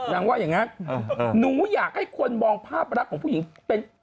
ว่าอย่างนั้นหนูอยากให้คนมองภาพรักของผู้หญิงเป็น